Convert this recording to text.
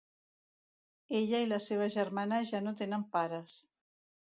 Ella i la seva germana ja no tenen pares.